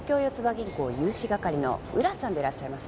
銀行融資係の浦さんでいらっしゃいますね？